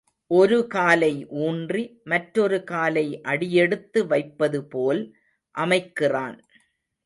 ஒரு காலை ஊன்றி மற்றொரு காலை அடியெடுத்து வைப்பது போல் அமைக்கிறான்.